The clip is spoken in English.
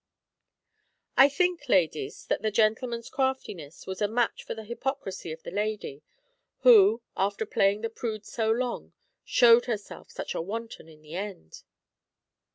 " I think, ladies, that the gentleman's craftiness was a match for the hypocrisy of the lady, who, after playing the prude so long, showed herself such a wanton in the end."